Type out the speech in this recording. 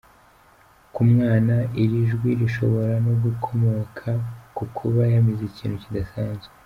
Ku mwana, iri jwi rishobora no gukomoka ku kuba yamize ikintu kidasanzwe.